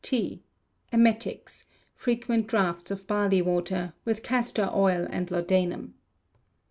T. Emetics, frequent draughts of barley water, with castor oil and laudanum.